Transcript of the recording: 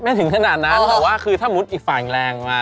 ถึงขนาดนั้นแต่ว่าคือถ้ามุติอีกฝ่ายแรงมา